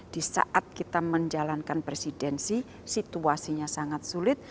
di saat kita menjalankan presidensi situasinya sangat sulit